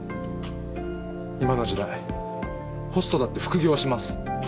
今の時代ホストだって副業はします。